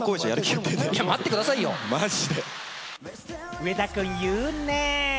上田君、言うね！